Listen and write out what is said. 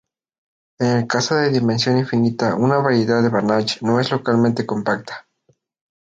En el caso de dimensión infinita, una variedad de Banach no es localmente compacta.